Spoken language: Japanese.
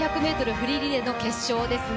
フリーリレーの決勝ですね。